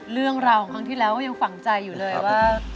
เรื่องราวของครั้งที่แล้วก็ยังฝังใจอยู่เลยว่า